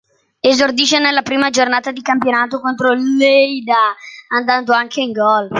Esordisce nella prima giornata di campionato contro il Lleida, andando anche in gol.